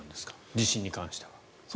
地震に関しては。